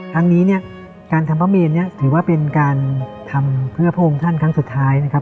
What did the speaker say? ครั้งนี้เนี่ยการทำพระเมนเนี่ยถือว่าเป็นการทำเพื่อพระองค์ท่านครั้งสุดท้ายนะครับ